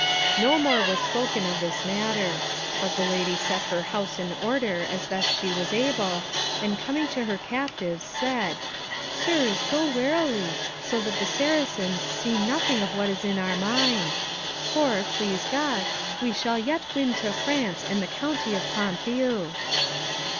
No more was spoken of the matter; but the lady set her house in order, as best she was able, and coming to her captives said, "Sirs, go warily, so that the Saracens see nothing of what is in our mind; for, please God, we shall yet win to France and the county of Ponthieu."